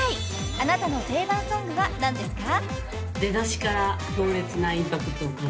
［あなたの定番ソングは何ですか？］